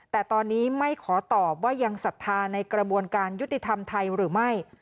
แต่ตอนนี้ไม่ขอตอบว่ายังศรัทธาในกระบวนการยุติธรรมไทยหรือไม่